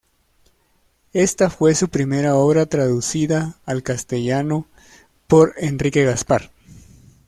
Esta fue su primera obra traducida al castellano, por Enrique Gaspar.